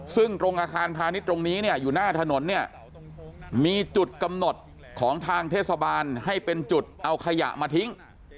ซึ่งตรงอาคารพาณิชย์ตรงนี้เนี่ยอยู่หน้าถนนเนี่ยมีจุดกำหนดของทางเทศบาลให้เป็นจุดเอาขยะมาทิ้ง